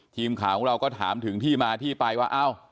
ทีมข่าวก็ถามถึงที่มาที่ไปว่าอ้าว